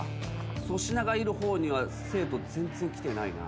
粗品がいる方には生徒全然来てないな。